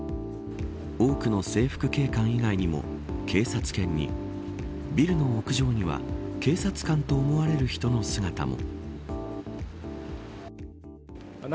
多くの制服警官以外にも警察犬に、ビルの屋上には警察官と思われる人の姿も。